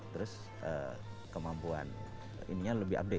terus kemampuan ininya lebih update